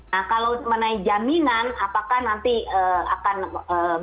nah kalau menai jaminan apakah nanti akan